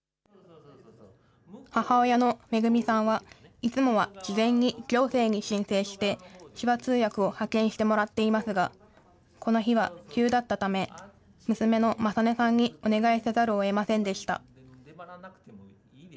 母親の恵さんは、いつもは事前に行政に申請して、手話通訳を派遣してもらっていますが、この日は急だったため、娘の理音さんにお願いせざるをえませんでした。